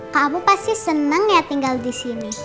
kamu pasti seneng ya tinggal disini